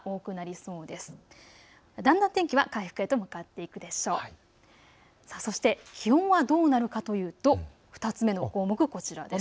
そして気温はどうなるかというと２つ目の項目、こちらです。